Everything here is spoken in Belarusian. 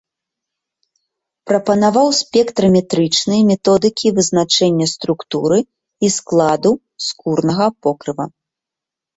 Прапанаваў спектраметрычныя методыкі вызначэння структуры і складу скурнага покрыва.